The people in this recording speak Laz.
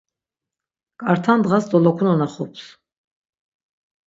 K̆arta ndğas dolokunu naxups.